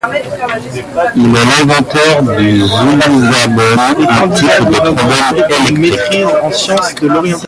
Il est l'inventeur du souzabone, un type de trombone électrique.